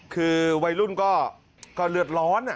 คือวัยรุ่นก็เลือดร้อน